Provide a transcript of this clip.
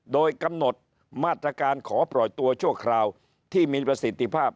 โดยกำหนดมาตรการขอปล่อยตัวชั่วคราวที่มีประสิทธิภาพ